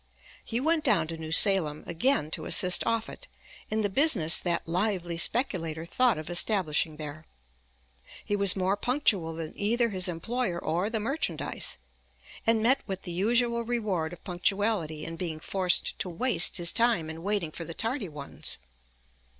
He went down to New Salem again to assist Offutt in the business that lively speculator thought of establishing there. He was more punctual than either his employer or the merchandise, and met with the usual reward of punctuality in being forced to waste his time in waiting for the tardy ones.